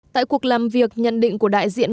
tại cuộc làm việc nhận định của đại diện